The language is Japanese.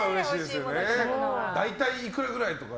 大体いくらくらいとか？